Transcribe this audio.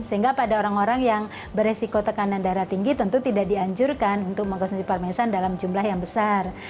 sehingga pada orang orang yang beresiko tekanan darah tinggi tentu tidak dianjurkan untuk mengkonsumsi parmesan dalam jumlah yang besar